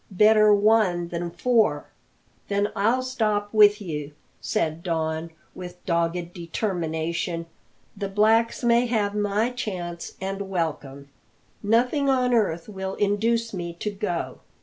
Better one than four." "Then I'll stop with you," said Don, with dogged determination. "The blacks may have my chance and welcome. Nothing on earth will induce me to go."